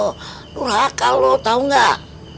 nur haka lu tau gak